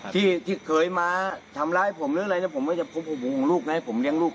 ที่ที่เคยมาหล่าให้ผมหรืออะไรนะผมไม่ได้ผมผมลูกนะผมเรียงลูก